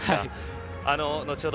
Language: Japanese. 後ほど